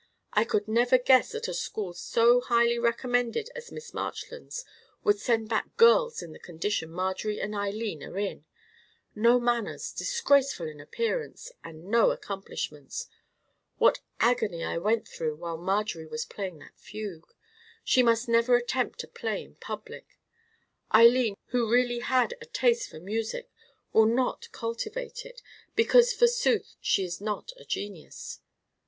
I could never guess that a school so highly recommended as Miss Marchland's was would send back girls in the condition Marjorie and Eileen are in. No manners, disgraceful in appearance, and no accomplishments. What agony I went through while Marjorie was playing that fugue! She must never attempt to play in public. Eileen, who really had a taste for music, will not cultivate it, because, forsooth, she is not a genius.